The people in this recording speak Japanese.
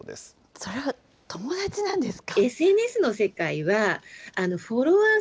それは友だちなんですか？